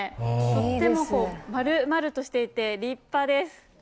とっても丸々としていて立派です。